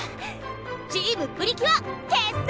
チームプリキュア結成！